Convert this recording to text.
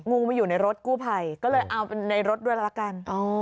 งูมาอยู่ในรถกู้ภัยก็เลยเอาเป็นในรถด้วยแล้วละกัน